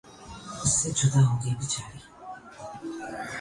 اماراتی مہوش حیات کے بعد لبنانی اقرا عزیز کے چرچے